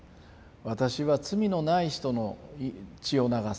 私は罪のない人の血を流す。